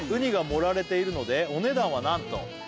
「盛られているのでお値段はなんと」